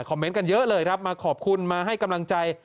เมนต์กันเยอะเลยครับมาขอบคุณมาให้กำลังใจ